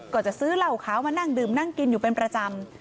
ก็จะซื้อเหล้าขาวมานั่งดื่มนั่งกินอยู่เป็นประจำ